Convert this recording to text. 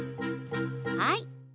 はい。